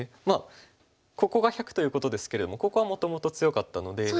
まあここが１００ということですけれどもここはもともと強かったので。